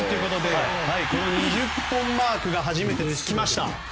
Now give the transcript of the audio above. ２０本マークが初めてつきました。